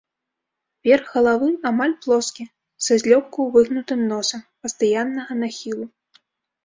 Верх галавы амаль плоскі, са злёгку выгнутым носам, пастаяннага нахілу.